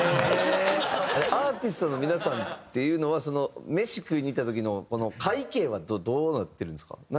アーティストの皆さんっていうのは飯食いに行った時の会計はどうなってるんですか？